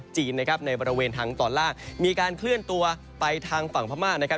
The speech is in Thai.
จีนนะครับในบริเวณทางตอนล่างมีการเคลื่อนตัวไปทางฝั่งพม่านะครับ